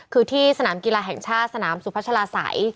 คือที่สนามกีฬาแห่งชาติสนามสุพัชลาศัย